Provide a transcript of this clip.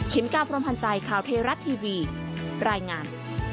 เข็มกล้าพร้อมพันธ์ใจข่าวเทรัตน์ทีวีรายงาน